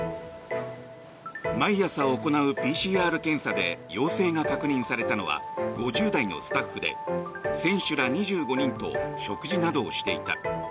毎朝行うＰＣＲ検査で陽性が確認されたのは５０代のスタッフで選手ら２５人と食事などをしていた。